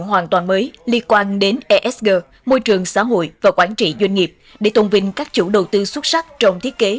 hoàn toàn mới liên quan đến esg môi trường xã hội và quản trị doanh nghiệp để tôn vinh các chủ đầu tư xuất sắc trong thiết kế